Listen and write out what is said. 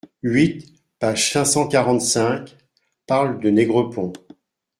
huit, page cinq cent quarante-cinq) parlent de Négrepont.